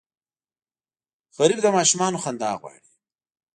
غریب د ماشومانو خندا غواړي